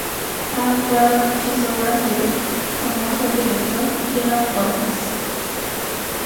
Ha actuado en muchas obras de famoso director Gerald Thomas.